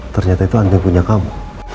ternyata itu anda punya kamu